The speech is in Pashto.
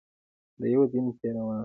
د یو دین پیروان.